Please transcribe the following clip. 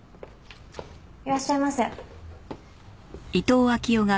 いらっしゃいませ。